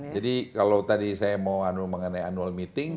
jadi kalau tadi saya mau mengenai annual meeting